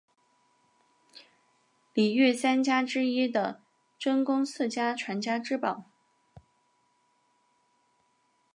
里御三家之一的真宫寺家传家之宝。